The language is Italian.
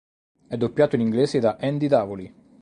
È doppiato in inglese da Andy Davoli.